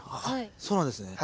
そうなんですね。